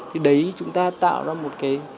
thì đấy chúng ta tạo ra một cái